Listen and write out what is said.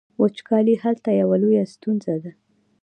وچکالي هلته یوه لویه ستونزه ده.